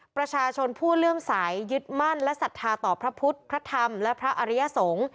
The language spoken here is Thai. ประชาชนผู้เลื่อมใสยึดมั่นและศรัทธาต่อพระพุทธพระธรรมและพระอริยสงฆ์